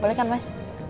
boleh kan mas